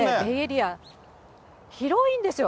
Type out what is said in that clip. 広いんですよ。